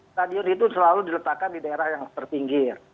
stadion itu selalu diletakkan di daerah yang terpinggir